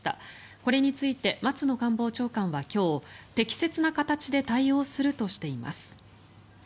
これについて松野官房長官は今日適切な形で対応するとしています。